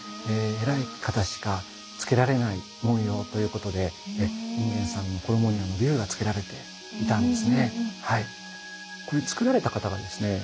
偉い方しか付けられない紋様ということで隠元さんの衣にあの龍が付けられていたんですねはい。